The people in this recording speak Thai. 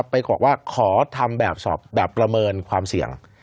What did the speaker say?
ไปบอกว่าขอทำแบบสอบแบบประเมินความเสี่ยง